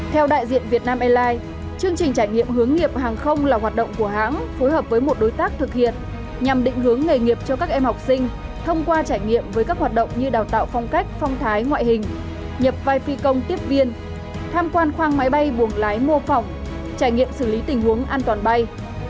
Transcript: theo đại diện việt nam airlines chương trình trải nghiệm hướng nghiệp hàng không là hoạt động của hãng phối hợp với một đối tác thực hiện nhằm định hướng nghề nghiệp cho các em học sinh thông qua trải nghiệm với các hoạt động như đào tạo phong cách phong thái ngoại hình nhập vai phi công tiếp viên tham quan khoang máy bay buồng lái mô phỏng trải nghiệm xử lý tình huống an toàn bay